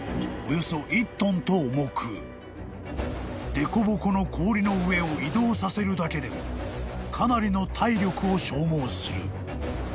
［と重くでこぼこの氷の上を移動させるだけでもかなりの体力を消耗する］